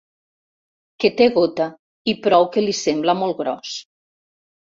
Que té gota, i prou que li sembla molt gros.